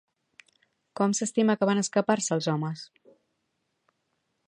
Com s'estima que van escapar-se, els homes?